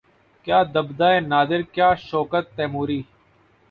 کیا دبدبۂ نادر کیا شوکت تیموری